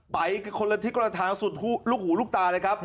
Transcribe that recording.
ไปกันคนละทิศคนละทางสุดลูกหูลูกตาเลยครับ